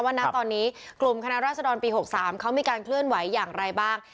ณตอนนี้กลุ่มคณะราษฎรปี๖๓เขามีการเคลื่อนไหวอย่างไรบ้าง